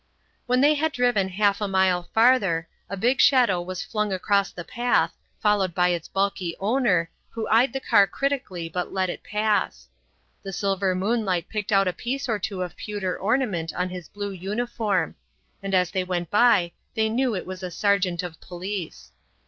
When they had driven half a mile farther, a big shadow was flung across the path, followed by its bulky owner, who eyed the car critically but let it pass. The silver moonlight picked out a piece or two of pewter ornament on his blue uniform; and as they went by they knew it was a sergeant of police.